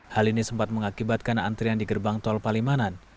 hal ini sempat mengakibatkan antrian di gerbang tol palimanan